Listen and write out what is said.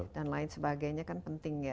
dan lain sebagainya kan penting ya